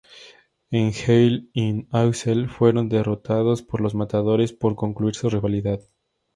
En Hell in a Cell, fueron derrotados por Los Matadores para concluir su rivalidad.